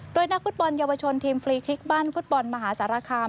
โดยนักฟุตบอลเยาวชนทีมฟรีคลิกบ้านฟุตบอลมหาสารคาม